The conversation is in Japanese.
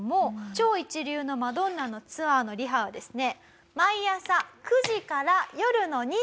超一流のマドンナのツアーのリハはですね。